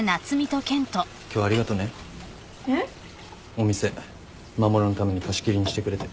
お店守のために貸し切りにしてくれて。